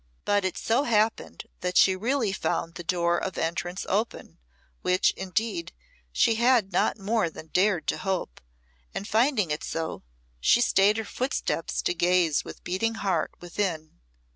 But it so happened that she really found the door of entrance open, which, indeed, she had not more than dared to hope, and finding it so, she stayed her footsteps to gaze with beating heart within.